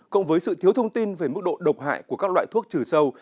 cộng với sự thiếu thông tin về mức độ độc hại của các loại thuốc trừ sâu